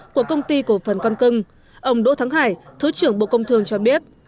của công ty của phần con cưng ông đỗ thắng hải thứ trưởng bộ công thường cho biết